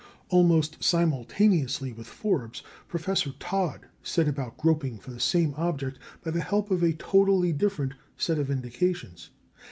Almost simultaneously with Forbes, Professor Todd set about groping for the same object by the help of a totally different set of indications.